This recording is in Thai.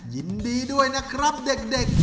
ยินดีด้วยนะครับเด็ก